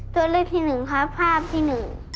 ตัวเลือกที่หนึ่งครับภาพที่หนึ่ง